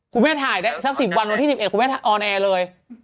คุณแม่ถ่ายได้สัก๑๐วันวันที่๑๑คุณแม่ออนแอร์เลย